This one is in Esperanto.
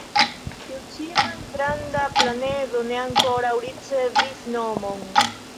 Tiu-ĉi malgranda planedo ne ankoraŭ ricevis nomon.